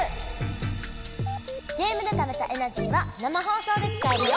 ゲームでためたエナジーは生放送で使えるよ！